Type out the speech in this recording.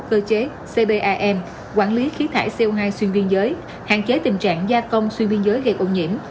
cpam quản lý khí thải co hai xuyên biên giới hạn chế tình trạng gia công xuyên biên giới gây cộng nhiễm